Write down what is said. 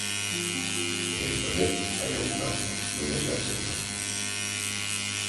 En Internet hai abundancia, non escaseza.